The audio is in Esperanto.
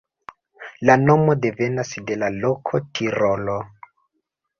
La nomo devenas de la loko Tirolo.